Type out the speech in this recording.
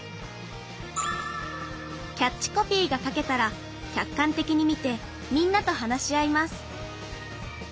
キャッチコピーが書けたら客観的に見てみんなと話し合います